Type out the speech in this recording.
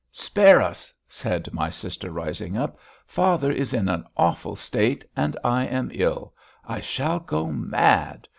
"Spare us!" said my sister, rising up. "Father is in an awful state, and I am ill. I shall go mad.